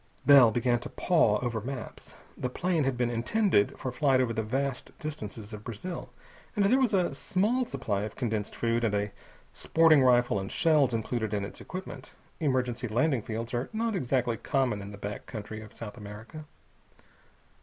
Bell began to paw over maps. The plane had been intended for flight over the vast distances of Brazil, and there was a small supply of condensed food and a sporting rifle and shells included in its equipment. Emergency landing fields are not exactly common in the back country of South America.